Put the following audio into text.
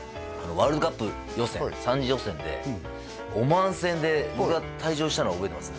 ワールドカップ予選３次予選でオマーン戦で僕が退場したの覚えてます？